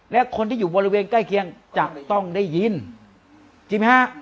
และคนที่อยู่บริเวณใกล้เคียงจะต้องได้ยินจริงไหมฮะ